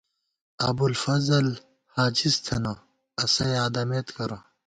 ابُوالفضل ہاجِز تھنہ ، اسہ یادَمېت کرہ